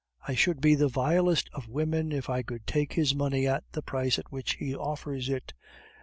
I should be the vilest of women if I could take his money at the price at which he offers it.